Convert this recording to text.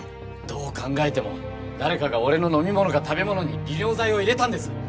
どう考えても誰かが俺の飲み物か食べ物に利尿剤を入れたんです。